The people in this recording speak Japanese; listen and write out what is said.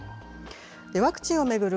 ワクチンを巡る